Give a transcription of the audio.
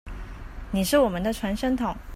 你是我們的傳聲筒